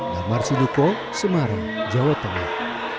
narmarsiliko semarang jawa tengah